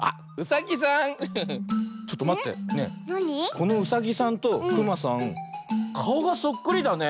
このうさぎさんとくまさんかおがそっくりだね。